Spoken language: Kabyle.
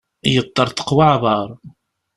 Yeṭṭerḍeq waεbar.